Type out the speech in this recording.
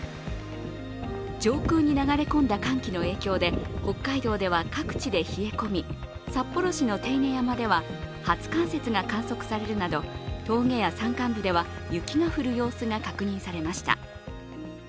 上空に流れ込んだ寒気の影響で北海道では各地で冷え込み札幌市の手稲山では初冠雪が観測されるなど峠や山間部では雪が降る様子が確認されました。